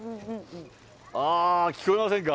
ああー、聞こえませんか？